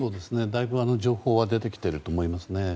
だいぶ情報は出てきていると思いますね。